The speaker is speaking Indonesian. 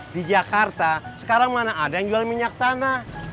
di jakarta sekarang mana ada yang jual minyak tanah